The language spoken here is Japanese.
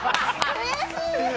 悔しい！